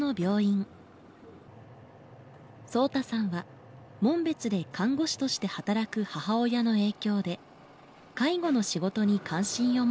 颯太さんは紋別で看護師として働く母親の影響で介護の仕事に関心を持っていました。